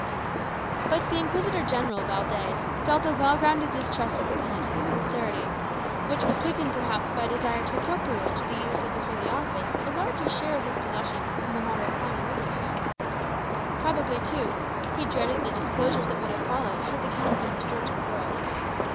But the Inquisitor General, Valdez, felt a well grounded distrust of the penitent's sincerity, which was quickened perhaps by a desire to appropriate to the use of the Holy Office a larger share of his possessions than the moderate fine alluded to. Probably, too, he dreaded the disclosures that might have followed had the Count been restored to the world.